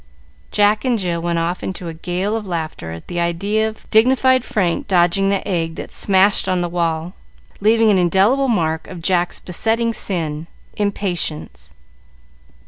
Jack and Jill went off into a gale of laughter at the idea of dignified Frank dodging the egg that smashed on the wall, leaving an indelible mark of Jack's besetting sin, impatience.